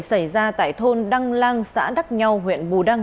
xảy ra tại thôn đăng lang xã đắc nhau huyện bù đăng